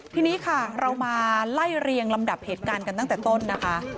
ทีนี้ค่ะเรามาไล่เรียงลำดับเหตุการณ์กันตั้งแต่ต้นนะคะ